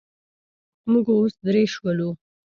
موږ اوس درې شولو.